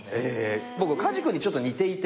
僕梶君にちょっと似ていて。